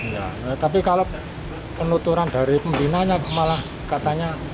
iya tapi kalau penuturan dari pembinaan malah katanya